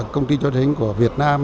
công ty cho thuê tài chính của việt nam